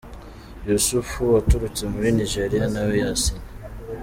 Yussuf waturutse muri Nigeria nawe yasinye.